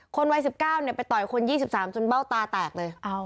วัย๑๙ไปต่อยคน๒๓จนเบ้าตาแตกเลย